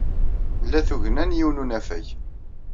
Nla tugna n yiwen n unafag.